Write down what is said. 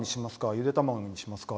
ゆで卵にしますか？